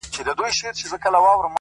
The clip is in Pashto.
خپل احساسات د عقل په تله وتلئ’